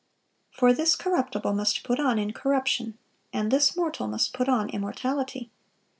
For this corruptible must put on incorruption, and this mortal must put on immortality."